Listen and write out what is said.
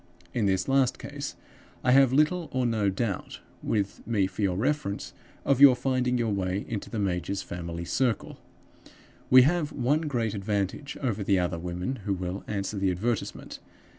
In this last case, I have little or no doubt with me for your reference of your finding your way into the major's family circle. We have one great advantage over the other women who will answer the advertisement.